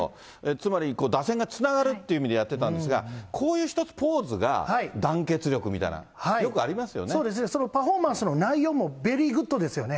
つまり打線がつながるって意味でやってたんですが、こういう１つ、ポーズが団結力みたいな、よくあそうですね、そのパフォーマンスの内容もベリーグッドですよね。